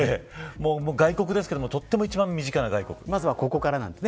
外国ですけどとっても一番身近な外国。